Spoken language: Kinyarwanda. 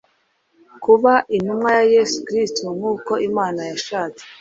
kuba intumwa ya Yesu Kristo nk’uko Imana yashatse”